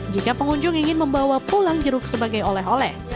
jika pengunjung ingin membawa pulang jeruk sebagai oleh oleh